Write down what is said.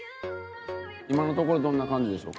今のところどんな感じでしょうか？